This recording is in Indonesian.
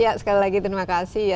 ya sekali lagi terima kasih ya